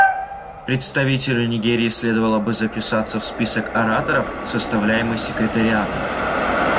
Представителю Нигерии следовало бы записаться в список ораторов, составляемый Секретариатом.